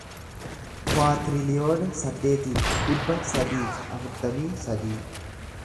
kuwaatiriliyoona saddeetii fi dhibba sadii fi afurtamii sadii